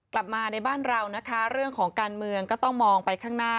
กลับมาในบ้านเรานะคะเรื่องของการเมืองก็ต้องมองไปข้างหน้า